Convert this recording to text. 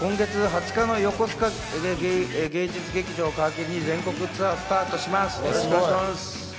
で、今月２０日のよこすか芸術劇場を皮切りに全国ツアーがスタートします。